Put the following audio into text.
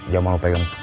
jamal pegang terminal